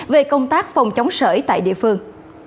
về công tác phòng chống sởi tại địa phương